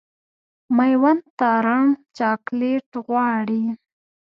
مېوند تارڼ چاکلېټ غواړي.